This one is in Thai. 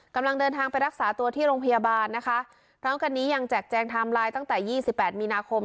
กำลังเดินทางไปรักษาตัวที่โรงพยาบาลนะคะพร้อมกันนี้ยังแจกแจงไทม์ไลน์ตั้งแต่ยี่สิบแปดมีนาคม